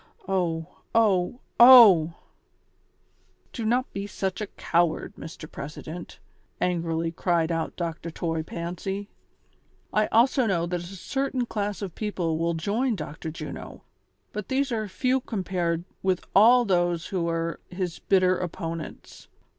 Oh ! Oh !! Oh !!!" "Do not be such a coward, Mr. President," angrily cried out Dr. Toy Fancy. "1 also know that a certain class of people will join Dr. Juno, but these are few com pared with all those who are his bitter opponents.